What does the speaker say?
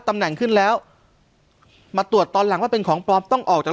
ตำแหน่งขึ้นแล้วมาตรวจตอนหลังว่าเป็นของปลอมต้องออกจาก